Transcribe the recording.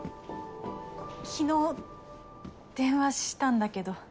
昨日電話したんだけど。